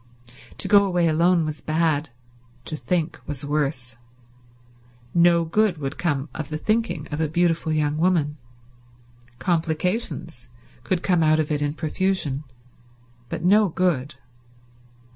To go away alone was bad; to think was worse. No good could come out of the thinking of a beautiful young woman. Complications could come out of it in profusion, but no good.